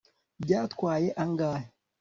byatwaye angahe